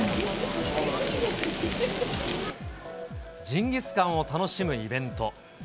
ジンギスカンを楽しむイベント。